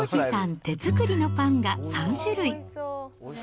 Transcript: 手作りのパンが３種類。